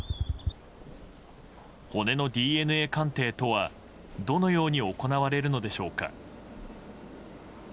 骨のＤＮＡ鑑定とはどのように行われるのでしょうか。